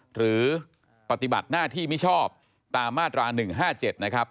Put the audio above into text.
หรือปฏิบัติหน้าที่มิชอบตามมาตรา๑๕๗นะครับ